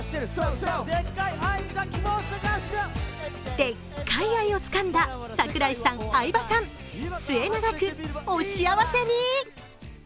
でっかい愛をつかんだ櫻井さん、相葉さん末永くお幸せに！